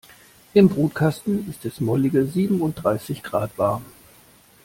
Im Brutkasten ist es mollige siebenunddreißig Grad warm.